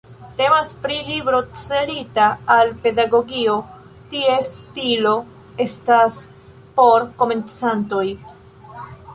Temas pri libro celita al pedagogio, ties stilo estas por komencantoj.